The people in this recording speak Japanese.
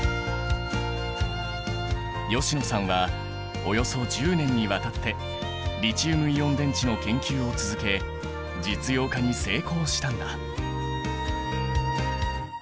吉野さんはおよそ１０年にわたってリチウムイオン電池の研究を続け実用化に成功したんだ。